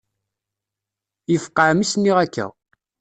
Yefqeε mi s-nniɣ akka.